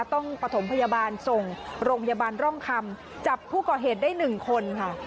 ปฐมพยาบาลส่งโรงพยาบาลร่องคำจับผู้ก่อเหตุได้๑คนค่ะ